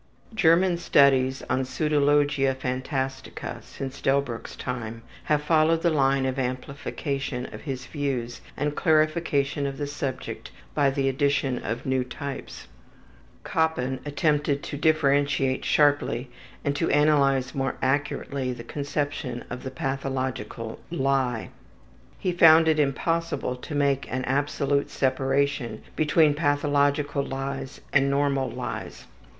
German studies on pseudologia phantastica since Delbruck's time have followed the line of amplification of his views and clarification of the subject by the addition of new types. Koppen attempted to differentiate sharply and to analyze more accurately the conception of the pathological lie. He found it impossible to make an absolute separation between pathological lies and normal lies.